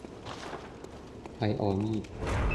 ไดออมีด